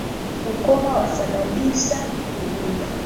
Ukoma wasababisa ugumba